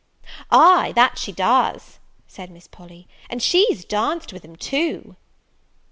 "Ay, that she does," said Miss Polly; "and she's danced with him too."